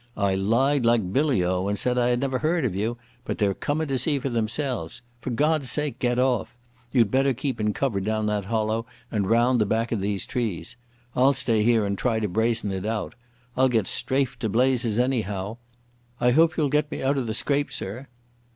I lied like billy o and said I had never heard of you, but they're comin' to see for themselves. For God's sake get off.... You'd better keep in cover down that hollow and round the back of these trees. I'll stay here and try to brazen it out. I'll get strafed to blazes anyhow.... I hope you'll get me out of the scrape, sir."